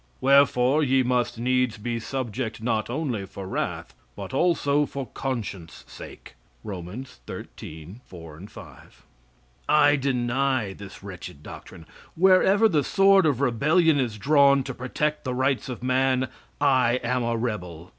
"Wherefore ye must needs be subject not only for wrath, but also for conscience sake." (Rom. xiii, 4, 5.) I deny this wretched doctrine. Wherever the sword of rebellion is drawn to protect the rights of man, I am a rebel.